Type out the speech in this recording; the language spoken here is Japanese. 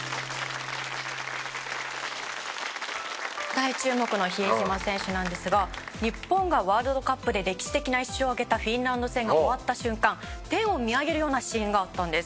大注目の比江島選手なんですが日本がワールドカップで歴史的な一勝を挙げたフィンランド戦が終わった瞬間天を見上げるようなシーンがあったんです。